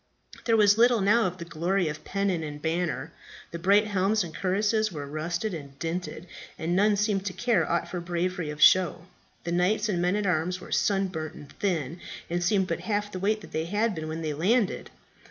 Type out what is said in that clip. There was little now of the glory of pennon and banner; the bright helms and cuirasses were rusted and dinted, and none seemed to care aught for bravery of show. The knights and men at arms were sunburnt and thin, and seemed but half the weight that they had been when they landed.